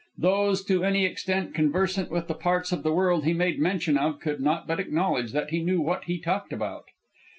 Those to any extent conversant with the parts of the world he made mention of, could not but acknowledge that he knew what he talked about.